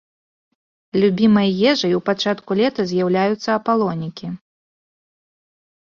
Любімай ежай у пачатку лета з'яўляюцца апалонікі.